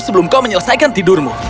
sebelum kau menyelesaikan tidurmu